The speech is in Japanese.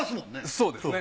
そうですね。